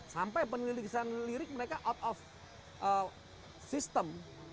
sampai penelitian lirik mereka out of system